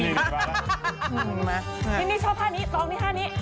นี่ชอบท่านี้ซองนี้ท่านี้